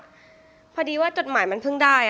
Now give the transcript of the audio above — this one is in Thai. คุณพ่อได้จดหมายมาที่บ้าน